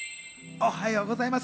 おはようございます。